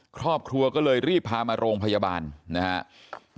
ครอบครัวก็เลยรีบพามาโรงพยาบาลนะครับ